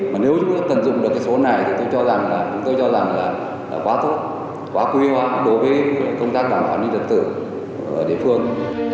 mà nếu chúng ta tận dụng được cái số này thì tôi cho rằng là quá tốt quá quý hóa đối với công tác bảo đảm an ninh trật tự ở địa phương